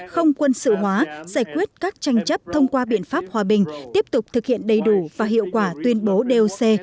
không quân sự hóa giải quyết các tranh chấp thông qua biện pháp hòa bình tiếp tục thực hiện đầy đủ và hiệu quả tuyên bố doc